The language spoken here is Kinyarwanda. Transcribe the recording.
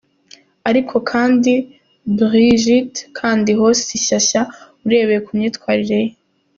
Ariko kandi Brig.Kandiho si shyashya, urebeye ku myitwarire ye.